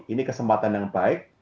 ini kesempatan yang baik